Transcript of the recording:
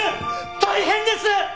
大変です！